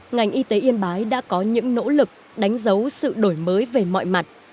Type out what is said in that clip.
ngành y tế yên bái đã có những nỗ lực đánh dấu sự đổi mới về mọi mặt